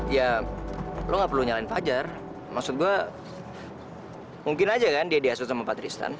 ya lo gak perlu nyalain fajar maksud gua